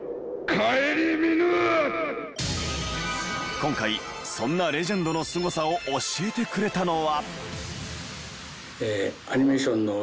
今回そんなレジェンドのスゴさを教えてくれたのは。